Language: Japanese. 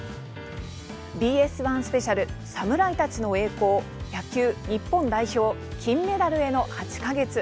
ＢＳ１スペシャル「侍たちの栄光野球日本代表金メダルへの８か月」。